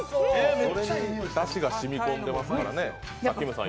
だしが染み込んでますからね。